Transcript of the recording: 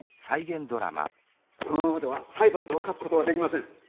このままでは裁判では勝つことはできません。